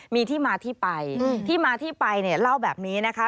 มีที่มาที่ไปที่มาที่ไปเนี่ยเล่าแบบนี้นะคะ